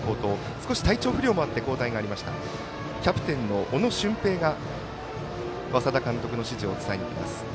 少し体調不良もあって交代になりましたキャプテンの小野隼平が稙田監督の指示を伝えにいきます。